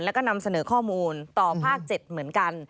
แล้วก็นำเสนอข้อมูลต่อภาค๗เหมือนกัน